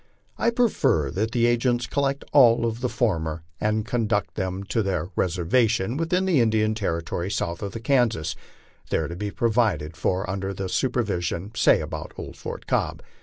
I prefer that the agents collect all of the former and conduct them to their reservation within the Indian territory south of Kansas, there to be provided for under their supervision, say about old Fort Cobb.